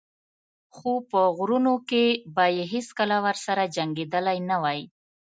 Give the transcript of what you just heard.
خو په غرونو کې به یې هېڅکله ورسره جنګېدلی نه وای.